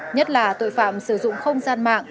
nhất là tội phạm sử dụng không gian mạng